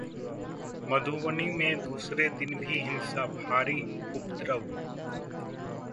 मधुबनी में दूसरे दिन भी हिंसा, भारी उपद्रव